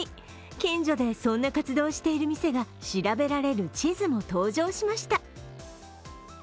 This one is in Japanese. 近所でそんな活動をしている店が調べられる地図も登場しました。